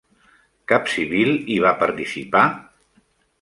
Cap civil hi va participar?